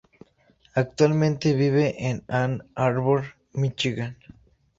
Actualmente vive en Ann Arbor, Míchigan.